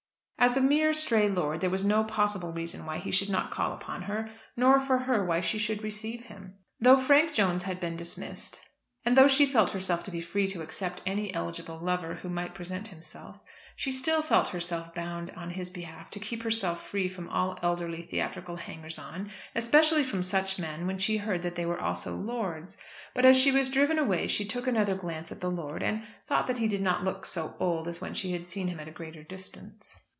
As a mere stray lord there was no possible reason why he should call upon her; nor for her why she should receive him. Though Frank Jones had been dismissed, and though she felt herself to be free to accept any eligible lover who might present himself, she still felt herself bound on his behalf to keep herself free from all elderly theatrical hangers on, especially from such men when she heard that they were also lords. But as she was driven away, she took another glance at the lord, and thought that he did not look so old as when she had seen him at a greater distance.